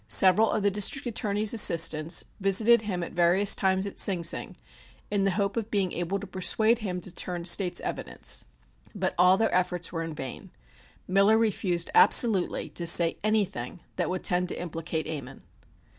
Several of the District Attorney's assistants visited him at various times at Sing Sing in the hope of being able to persuade him to turn State's evidence, but all their efforts were in vain. Miller refused absolutely to say anything that would tend to implicate Ammon.